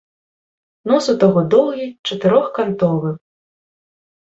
Нос у таго доўгі, чатырохкантовы.